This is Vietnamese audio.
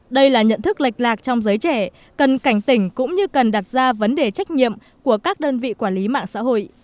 đây là nhận thức lệch lạc trong giới trẻ cần cảnh tỉnh cũng như cần đặt ra vấn đề trách nhiệm của các đơn vị quản lý mạng xã hội